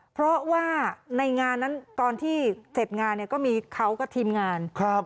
เพราะว่าในงานนั้นตอนที่เสร็จงานเนี่ยก็มีเขากับทีมงาน